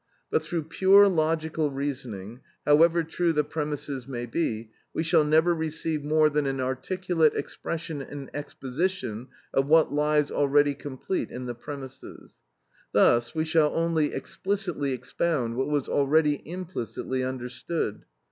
But through pure logical reasoning, however true the premises may be, we shall never receive more than an articulate expression and exposition of what lies already complete in the premises; thus we shall only explicitly expound what was already implicitly understood.